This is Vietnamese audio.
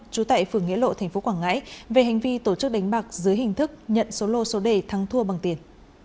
trú tại phường nghĩa lộ tp quảng ngãi về hành vi tổ chức đánh bạc dưới hình thức nhận số lô số đề thắng thua bằng tiền